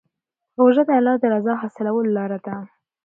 روژه د الله د رضا حاصلولو لاره ده.